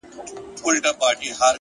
خپل ذهن له مثبت فکرونو ډک کړئ